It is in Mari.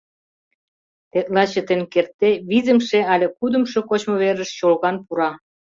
Тетла чытен кертде, визымше але кудымшо кочмыверыш чолган пура.